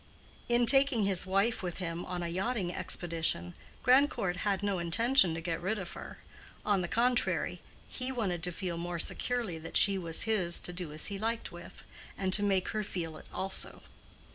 In taking his wife with him on a yachting expedition, Grandcourt had no intention to get rid of her; on the contrary, he wanted to feel more securely that she was his to do as he liked with, and to make her feel it also.